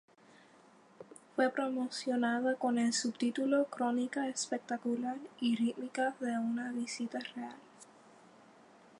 Fue promocionada con el subtítulo: "Crónica espectacular y rítmica de una visita real".